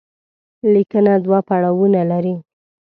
ليکنه دوه پړاوونه لري.